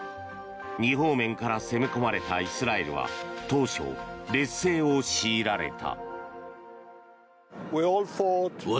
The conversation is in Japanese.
２方面から攻め込まれたイスラエルは当初、劣勢を強いられた。